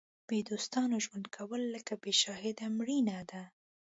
بې دوستانو ژوند کول لکه بې شاهده مړینه ده.